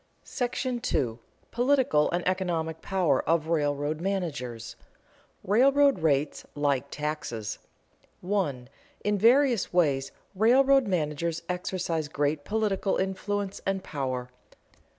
§ II. POLITICAL AND ECONOMIC POWER OF RAILROAD MANAGERS [Sidenote: Railroad rates like taxes] 1. _In various ways railroad managers exercise great political influence and power.